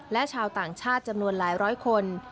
และชาวต่างชาติจำนวนหลายร้อยคน